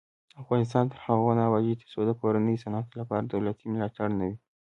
افغانستان تر هغو نه ابادیږي، ترڅو د کورني صنعت لپاره دولتي ملاتړ نه وي.